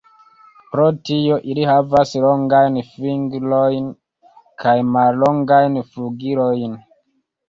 Pro tio ili havas longajn fingrojn kaj mallongajn flugilojn.